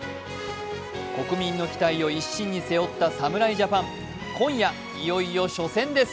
国民の期待を一身に背負った侍ジャパン、今夜いよいよ初戦です